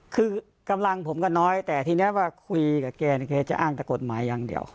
คือกำลังผมก็น้อยแต่ทีนี้ว่าคุยกับแกเนี่ยแกจะอ้างแต่กฎหมายอย่างเดียว